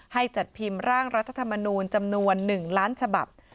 จัดพิมพ์ร่างรัฐธรรมนูลจำนวน๑ล้านฉบับ